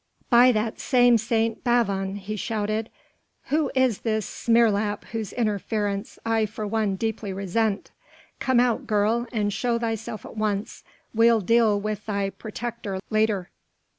"By that same St. Bavon," he shouted, "who is this smeerlap whose interference I for one deeply resent. Come out, girl, and show thyself at once, we'll deal with thy protector later."